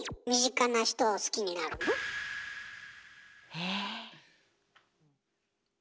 え？